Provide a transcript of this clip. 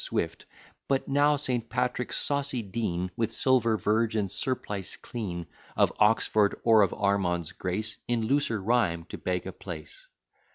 Swift, But now St. Patrick's saucy dean, With silver verge, and surplice clean, Of Oxford, or of Ormond's grace, In looser rhyme to beg a place.